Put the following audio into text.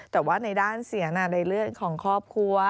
แต่ว่าในด้านเสียงในเลือดของครอบครัว